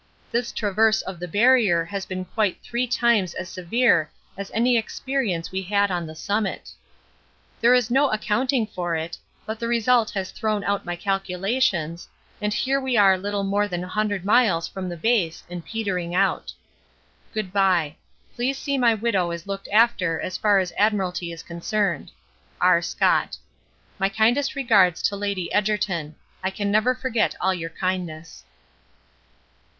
This traverse of the Barrier has been quite three times as severe as any experience we had on the summit. There is no accounting for it, but the result has thrown out my calculations, and here we are little more than 100 miles from the base and petering out. Good bye. Please see my widow is looked after as far as Admiralty is concerned. R. SCOTT. My kindest regards to Lady Egerton. I can never forget all your kindness.